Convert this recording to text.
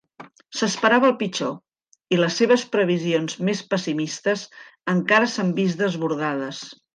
S'esperava el pitjor i les seves previsions més pessimistes encara s'han vist desbordades.